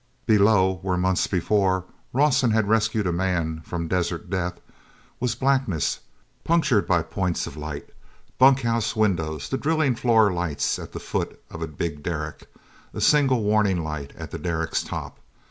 Below, where, months before, Rawson had rescued a man from desert death, was blackness punctured by points of light—bunkhouse windows, the drilling floor lights at the foot of a big derrick, a single warning light at the derrick's top.